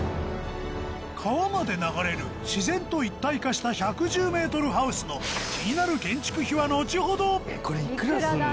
川まで流れる自然と一体化した１１０ｍハウスの気になるこれいくらするの？